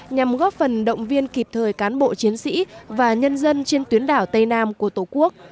nhằm góp phần động viên kịp thời cán bộ chiến sĩ và nhân dân trên tuyến đảo tây nam của tổ quốc